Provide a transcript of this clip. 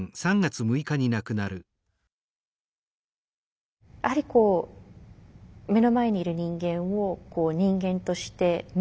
やはりこう目の前にいる人間を人間として見ない。